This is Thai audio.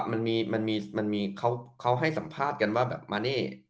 มันมีมันมีมันมีเขาเขาให้สัมภาษณ์กันว่าแบบมะเน้